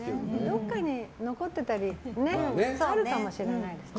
どこかに残ってたりねあるかもしれないですね。